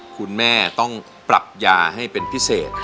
คุณแม่ต้องปรับยาให้เป็นพิเศษ